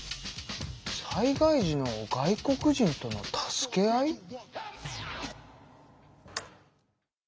「災害時の外国人との助け合い」？